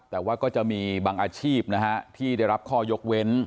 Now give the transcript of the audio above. แต่ว่าก็จะมีบางอาชีพนะฮะที่ได้รับข้อยกเว้น